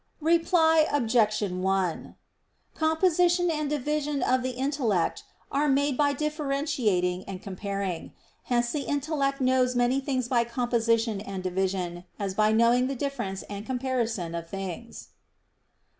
Reply Obj. 1: Composition and division of the intellect are made by differentiating and comparing. Hence the intellect knows many things by composition and division, as by knowing the difference and comparison of things.